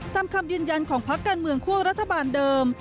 คำยืนยันของพักการเมืองคั่วรัฐบาลเดิม